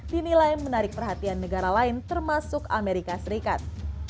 dinilai menarik perhatian negara lain termasuk amerika serikat